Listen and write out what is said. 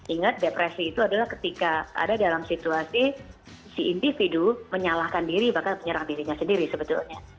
ingat depresi itu adalah ketika ada dalam situasi si individu menyalahkan diri bahkan menyerang dirinya sendiri sebetulnya